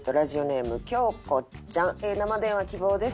「生電話希望です。